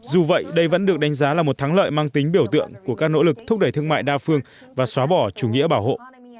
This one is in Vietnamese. dù vậy đây vẫn được đánh giá là một thắng lợi mang tính biểu tượng của các nỗ lực thúc đẩy thương mại đa phương và xóa bỏ chủ nghĩa bảo hộ